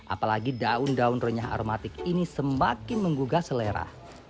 apalagi daun daun renyah aromatik ini semakin menggugah selera